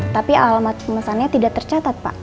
tapi alamat pemesannya tidak tercatat pak